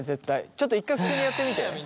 ちょっと１回普通にやってみて。